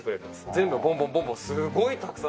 全部ボンボンボンボンすごいたくさん。